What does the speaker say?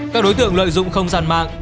các đối tượng lợi dụng không gian mạng